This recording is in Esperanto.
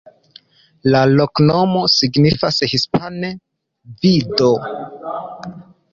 La loknomo signifas hispane: vido.